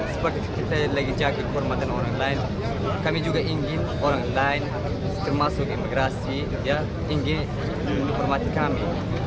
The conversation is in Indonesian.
seperti kita lagi jaga kehormatan orang lain kami juga ingin orang lain termasuk imigrasi ingin menginformasi kami